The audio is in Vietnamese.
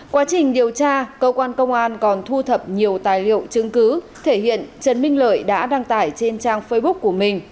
quá trình điều tra cơ quan công an còn thu thập nhiều tài liệu chứng cứ thể hiện trần minh lợi đã đăng tải trên trang facebook của mình